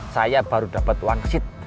saya baru dapat wangsit